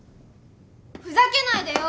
・ふざけないでよ！